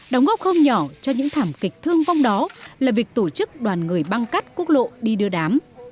đóng góp không nhỏ cho những thảm kịch thương vong đó là việc tổ chức đoàn người băng cắt quốc lộ đi đưa đám